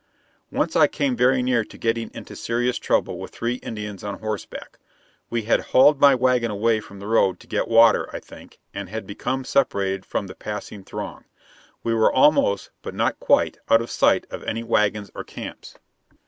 Once I came very near to getting into serious trouble with three Indians on horseback. We had hauled my wagon away from the road to get water, I think, and had become separated from the passing throng. We were almost, but not quite, out of sight of any wagons or camps.